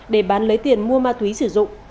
để bán lấy tiền mua ma túy sử dụng